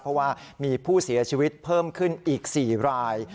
เพราะว่ามีผู้เสียชีวิตเพิ่มขึ้นอีก๔ราย